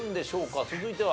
続いては。